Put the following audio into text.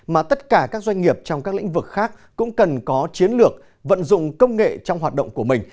mà tất cả các doanh nghiệp trong các lĩnh vực khác cũng cần có chiến lược vận dụng công nghệ trong hoạt động của mình